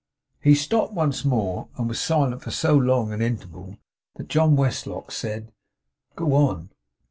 He stopped once more, and was silent for so long an interval that John Westlock said 'Go on.